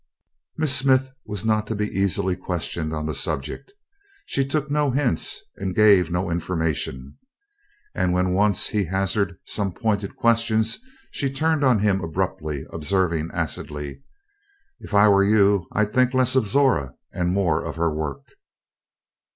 Miss Smith was not to be easily questioned on the subject. She took no hints and gave no information, and when once he hazarded some pointed questions she turned on him abruptly, observing acidly: "If I were you I'd think less of Zora and more of her work."